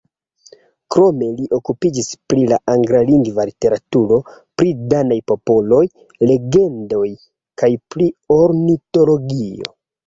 Krome li okupiĝis pri la anglalingva literaturo, pri danaj popolaj legendoj kaj pri ornitologio.